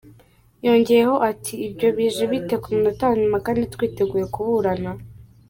Yongeyeho ati”ibyo bije bite ku munota wa nyuma kandi twiteguye kuburana” ?.